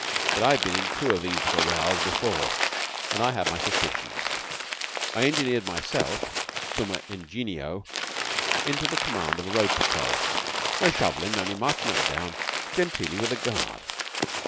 But I'd been in two of these little rows before, and I had my suspicions. I engineered myself, summa ingenio, into command of a road patrol no shovellin', only marching up and down genteelly with a guard.